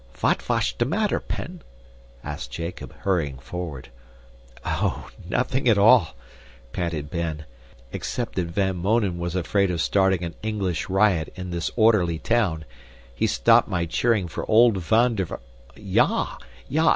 "Vat wash te matter, Pen?" asked Jacob, hurrying forward. "Oh! nothing at all," panted Ben, "except that Van Mounen was afraid of starting an English riot in this orderly town. He stopped my cheering for old Van der " "Ya!